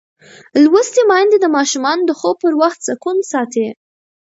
لوستې میندې د ماشومانو د خوب پر وخت سکون ساتي.